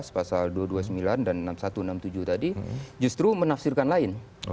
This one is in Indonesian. pasal dua ratus dua puluh sembilan dan enam ribu satu ratus enam puluh tujuh tadi justru menafsirkan lain